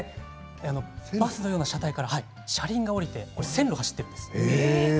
バスのような車体から車輪が下りて線路を走っています。